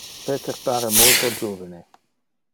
Peter pare multo juvene.